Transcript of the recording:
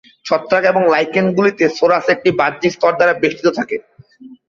ছত্রাক এবং লাইকেনগুলিতে, সোরাস একটি বাহ্যিক স্তর দ্বারা বেষ্টিত থাকে।